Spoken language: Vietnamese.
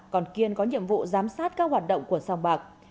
còn kiên có nhiệm vụ giám sát các hoạt động của sòng bạc